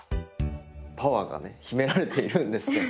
パワーがね秘められているんですね。